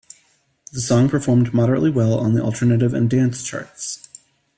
The song performed moderately well on the alternative and dance charts.